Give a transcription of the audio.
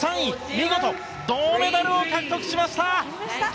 見事、銅メダルを獲得しました！